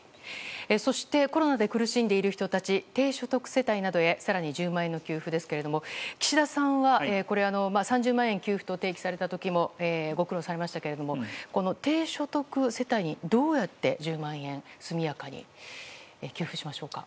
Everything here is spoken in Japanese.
そしてコロナで苦しんでいる人たち低所得世帯などへ更に１０万円の給付ですけれども岸田さんは、これ３０万円給付と提起された時もご苦労されましたけれどもこの低所得世帯にどうやって１０万円速やかに給付しましょうか？